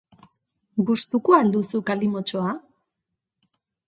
Gustuko al duzu kalimotxoa?